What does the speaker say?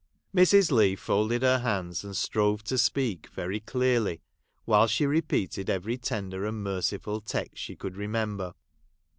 Mrs. Leigh folded her hands, and strove to speak very clearly, while she repeated every tender and merciful text she could remember.